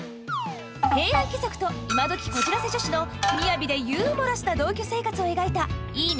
平安貴族と今どきこじらせ女子の雅でユーモラスな同居生活を描いた「いいね！